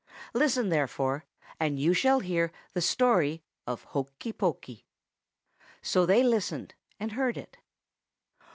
Listen, therefore, and you shall hear the story of Hokey Pokey." So they listened, and heard it.